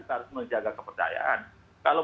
harus menjaga kepercayaan kalau